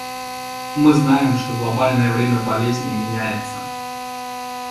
Мы знаем, что глобальное бремя болезней меняется.